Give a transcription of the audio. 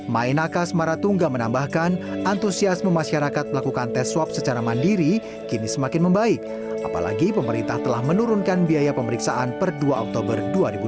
mainakas maratungga menambahkan antusiasme masyarakat melakukan tes swab secara mandiri kini semakin membaik apalagi pemerintah telah menurunkan biaya pemeriksaan per dua oktober dua ribu dua puluh